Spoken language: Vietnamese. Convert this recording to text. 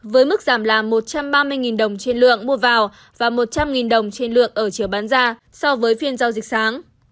với mức giảm là một trăm ba mươi đồng trên lượng mua vào và một trăm linh đồng trên lượng ở chiều bán ra so với phiên giao dịch sáng